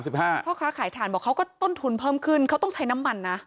พ่อค้าขายถ่านบอกเขาก็ต้นทุนเพิ่มขึ้นเขาต้องใช้น้ำมันนะ